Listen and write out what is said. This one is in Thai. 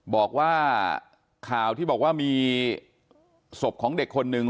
บอกว่าข่าวที่บอกว่ามีศพของเด็กคนนึง